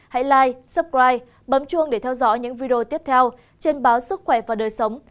hãy like subscribe bấm chuông để theo dõi những video tiếp theo trên báo sức khỏe và đời sống